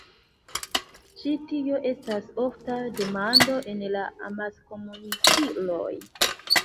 Ĉi tio estas ofta demando en la amaskomunikiloj.